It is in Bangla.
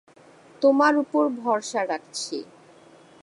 তোমার উপর ভরসা রাখছি।